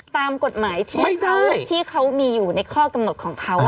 ตามกฎหมายที่เขามีอยู่ในข้อกำหนดของเขา